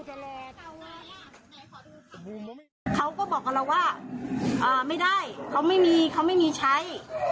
เขาก็บอกกับเราว่าไม่ได้เขาไม่มีเขาไม่มีใช้